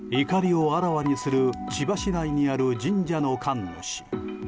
怒りをあらわにする千葉市内にある神社の神主。